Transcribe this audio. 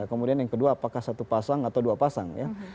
kemudian yang kedua apakah satu pasang atau dua pasang ya